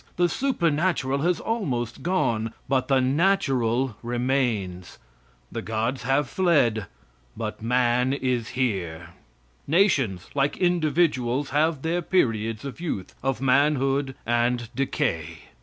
The supernatural has almost gone, but the natural remains. The gods have fled, but man is here. Nations, like individuals, have their periods of youth, of manhood and decay.